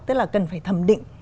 tức là cần phải thẩm định